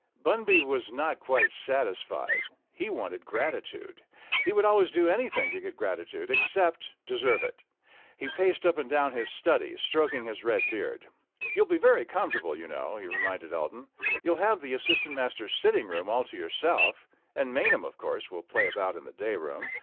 Bunby was not quite satisfied. He wanted grati tude. He would always do anything to get gratitude, except deserve it. He paced up and down his study, stroking his red beard. "You'll be very comfortable, you know," he reminded Elton. "You'll have the as sistant masters' sitting room all to yourself, and Maynham, of course, will play about in the day room.